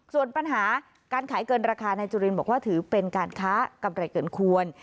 ส่วนปัญหาการขายเกินราคานายจุรินบอกว่าถือเป็นการค้ากำไรเกินควร